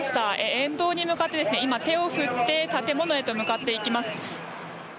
沿道に向かって、今、手を振って建物へと向かっていきます。